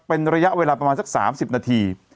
เป็นระยะเวลาประมาณสัก๓๐นาที